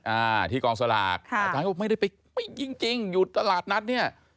อ่าที่กองสลากค่ะอาจารย์ก็บอกไม่ได้ไปจริงจริงอยู่ตลาดนัดเนี่ย